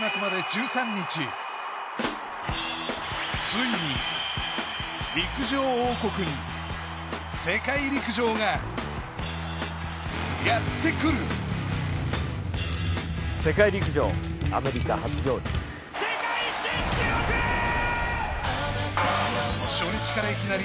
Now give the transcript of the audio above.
ついに陸上王国に世界陸上がやってくる世界陸上アメリカ初上陸世界新記録ー！